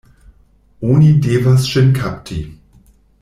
Oni devas ŝin kapti!